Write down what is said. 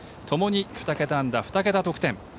ともに２桁安打２桁得点。